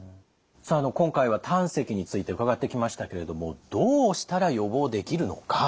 今回は胆石について伺ってきましたけれどもどうしたら予防できるのか。